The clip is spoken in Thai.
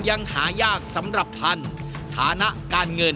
ยังหายากสำหรับพันธุ์ฐานะกา